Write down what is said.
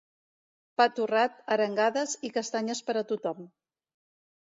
Pa torrat, arengades i castanyes per a tothom.